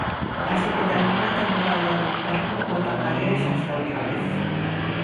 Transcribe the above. Así que termina a temporada do inverno, botan area e xa está outra vez.